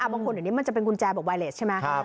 บางคนเห็นนี่มันจะเป็นกุญแจแบบไวเลสใช่ไหม